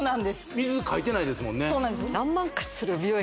「水」書いてないですもんね